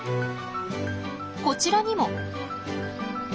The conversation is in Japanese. こちらにも。